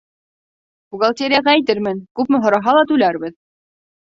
Бухгалтерияға әйтермен, күпме һораһа ла түләрбеҙ.